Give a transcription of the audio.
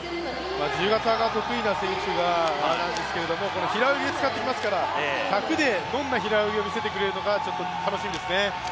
自由形が得意な選手なんですけど平泳ぎで使ってきますから１００でどんな平泳ぎを見せてくれるのか楽しみですね。